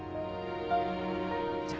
じゃあ。